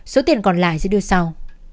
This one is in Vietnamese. số tiền còn lại sẽ đưa sau